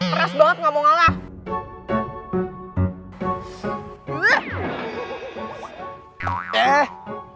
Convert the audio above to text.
keras banget gak mau ngalah